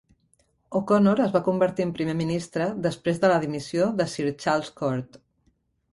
O'Connor es va convertir en primer ministre després de la dimissió de Sir Charles Court.